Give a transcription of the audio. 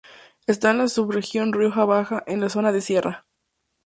Está en la subregión Rioja Baja, en la zona de sierra.